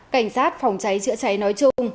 cảnh sát phòng cháy chữa cháy nói chung